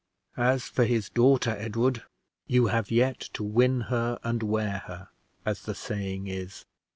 "As for his daughter, Edward, you have yet to 'win her and wear her,' as the saying is.